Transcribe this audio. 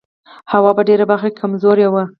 هوا په دې برخه کې کمزوری و.